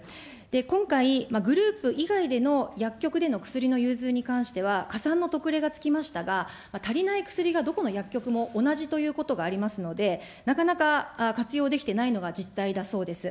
今回、グループ以外での薬局での薬の融通に関しては、加算の特例がつきましたが、足りない薬がどこの薬局も同じということがありますので、なかなか活用できてないのが実態だそうです。